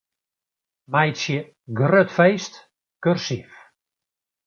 Meitsje 'grut feest' kursyf.